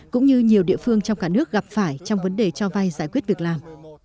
cũng như nhiều địa phương trong cả nước gặp phải trong vấn đề cho vay giải quyết việc làm